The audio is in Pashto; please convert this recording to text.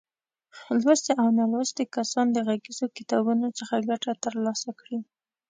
لوستي او نالوستي کسان د غږیزو کتابونو څخه ګټه تر لاسه کړي.